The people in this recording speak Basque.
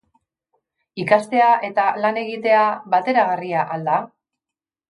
Ikastea eta lan egitea bateragarria al da?